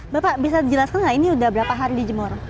bapak bisa dijelaskan gak ini sudah berapa hari dijemur